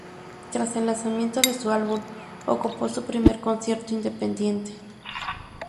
Tras el lanzamiento de su álbum, ocupó su primer concierto independiente.